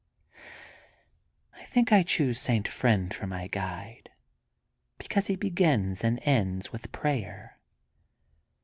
I think I choose St. Friend for my guide, because he begins and ends with prayer.